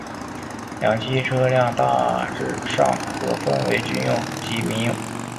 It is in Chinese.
两栖车辆大致上可分为军用及民用。